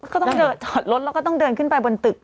ก็ต้องจอดรถแล้วก็ต้องเดินขึ้นไปบนตึก